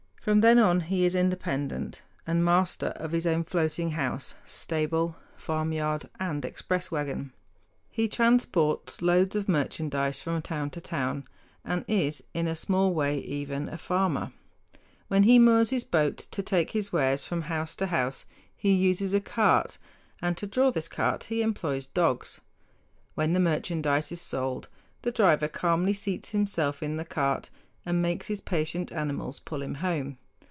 From then on he is independent, and master of his own floating house, stable, farmyard, and express wagon. He transports loads of merchandise from town to town, and is in a small way even a farmer. When he moors his boat to take his wares from house to house he uses a cart, and to draw this cart he employs dogs. When the merchandise is sold the driver calmly seats himself in the cart and makes his patient animals pull him home.